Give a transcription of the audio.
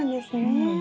うん！